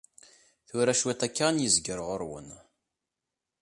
Tura cwiṭ akka ad n-yezger ɣur-wen.